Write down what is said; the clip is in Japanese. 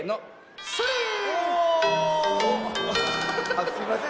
あっすいません。